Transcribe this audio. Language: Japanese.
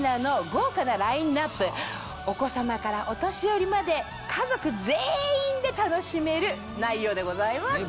お子様からお年寄りまで家族全員で楽しめる内容でございます。